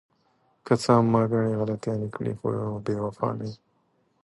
که څه هم ما ګڼې غلطیانې کړې، خو بې وفا نه یم.